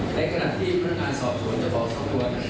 ในขณะที่พนักงานสอบสวนจะบอกสัมสวน